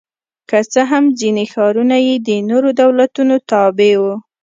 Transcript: که څه هم ځیني ښارونه یې د نورو دولتونو تابع وو